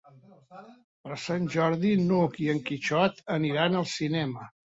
Per Sant Jordi n'Hug i en Quixot aniran al cinema.